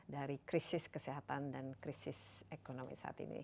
dari krisis kesehatan dan krisis ekonomi saat ini